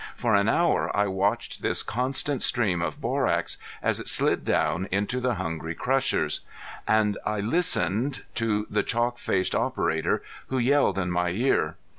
For an hour I watched this constant stream of borax as it slid down into the hungry crushers, and I listened to the chalk faced operator who yelled in my ear.